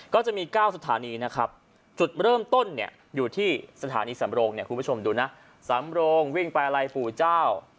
ก็จะมี๙สถานีนะครับจุดเริ่มต้นเนี่ยอยู่ที่สถานีสำโรงเนี่ยคุณผู้ชมดูนะสำโรงวิ่งไปอะไรปู่เจ้า